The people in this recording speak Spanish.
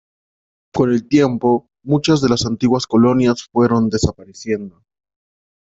Con el tiempo, muchas de las antiguas colonias fueron desapareciendo.